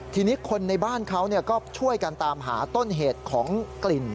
ทีนี้คนในบ้านเขาก็ช่วยกันตามหาต้นเหตุของกลิ่น